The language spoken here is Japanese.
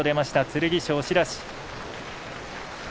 剣翔、押し出し。